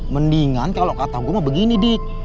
mendingan kalo kata gua mau begini dik